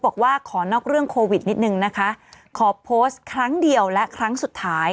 บอกว่าขอนอกเรื่องโควิดนิดนึงนะคะขอโพสต์ครั้งเดียวและครั้งสุดท้าย